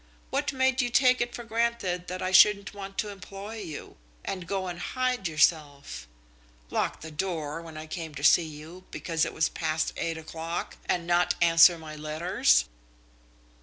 What made you take it for granted that I shouldn't want to employ you, and go and hide yourself? Lock the door when I came to see you, because it was past eight o'clock, and not answer my letters?"